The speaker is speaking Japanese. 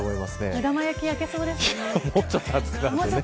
目玉焼き、焼けそうですね。